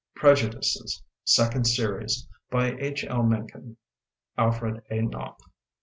Prejudices. Second Series. Bj H. L. Menck en. Alfred A. Knopf.